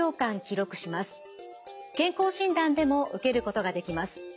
健康診断でも受けることができます。